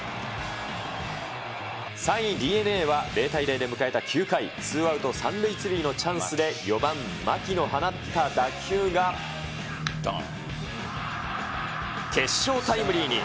３位ＤｅＮＡは、０対０で迎えた９回、ツーアウト３塁１塁のチャンスで、４番牧の放った打球が、決勝タイムリーに。